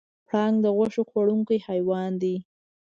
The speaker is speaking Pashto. پړانګ د غوښې خوړونکی حیوان دی.